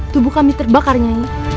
tubuh kami terbakarnya